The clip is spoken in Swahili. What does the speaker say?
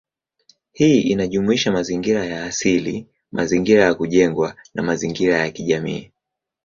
Hii inajumuisha mazingira ya asili, mazingira ya kujengwa, na mazingira ya kijamii.